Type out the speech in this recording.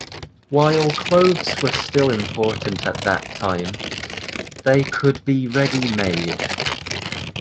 While clothes were still important at that time, they could be ready-made.